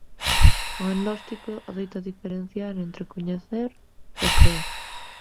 O agnóstico adoita diferenciar entre «coñecer» e «crer».